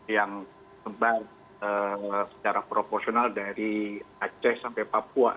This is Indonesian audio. yang sebar secara proporsional dari aceh sampai papua